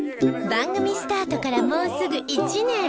番組スタートからもうすぐ１年。